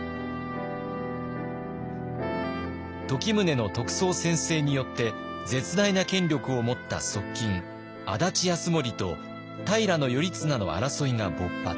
時宗の得宗専制によって絶大な権力を持った側近安達泰盛と平頼綱の争いが勃発。